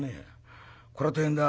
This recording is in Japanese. これは大変だ。